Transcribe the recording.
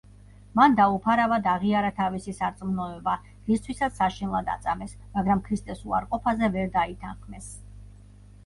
მან დაუფარავად აღიარა თავისი სარწმუნოება, რისთვისაც საშინლად აწამეს, მაგრამ ქრისტეს უარყოფაზე ვერ დაითანხმეს.